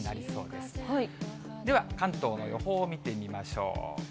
では、関東の予報を見てみましょう。